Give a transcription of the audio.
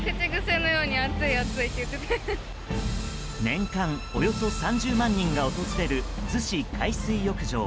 年間およそ３０万人が訪れる逗子海水浴場。